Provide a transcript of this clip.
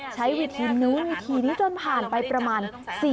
ใช้วิธีนู้นวิธีนี้จนผ่านไปประมาณ